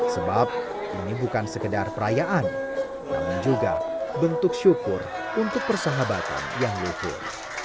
sebab ini bukan sekedar perayaan namun juga bentuk syukur untuk persahabatan yang lukur